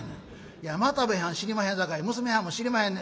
いや又兵衛はん知りまへんさかい娘はんも知りまへんねん」。